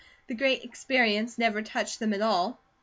The Great Experience never touched them at all."